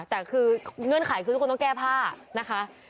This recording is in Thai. แต่คือเงื่อนไขคือทุกคนต้องแก้ผ้านะคะ